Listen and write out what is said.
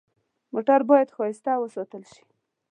موټر باید ښایسته وساتل شي.